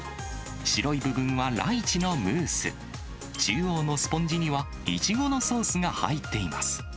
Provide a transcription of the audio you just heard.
白い部分はライチのムース、中央のスポンジには、イチゴのソースが入っています。